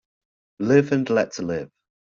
Live and let live.